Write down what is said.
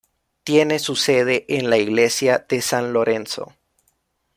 Tiene su sede en la iglesia de San Lorenzo.